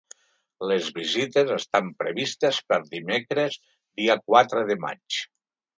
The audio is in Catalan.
Les visites estan previstes per dimecres dia quatre de maig.